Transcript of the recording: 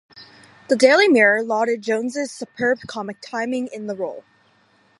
The "Daily Mirror" lauded Jones' "superb comic timing" in the role.